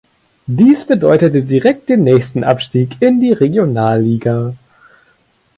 Dies bedeutete direkt den nächsten Abstieg in die Regionalliga.